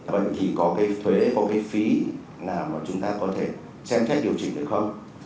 vậy thì có cái thuế có cái phí nào mà chúng ta có thể xem xét điều chỉnh được không